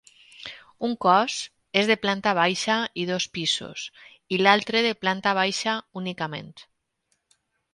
Un cos és de planta baixa i dos pisos i l'altre de planta baixa únicament.